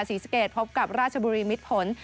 ศรีสะเกดพบกับราชบุรีมิดผล